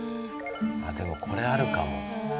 あっでもこれあるかも。